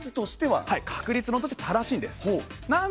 確率論としては正しいんです。